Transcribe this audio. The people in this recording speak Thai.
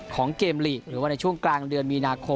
ของเกมลีกหรือว่าในช่วงกลางเดือนมีนาคม